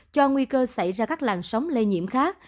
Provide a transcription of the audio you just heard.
cho nguy cơ xảy ra các làn sóng lây nhiễm khác